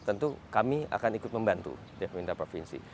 tentu kami akan ikut membantu di pemerintah provinsi